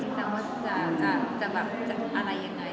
จริงยังก็ยังยังไม่ได้ปรับปรึกษาพอจริงกับว่าจะอะไรยังไง